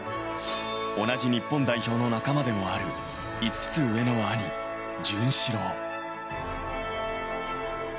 同じ日本代表の仲間でもある５つ上の兄・潤志郎。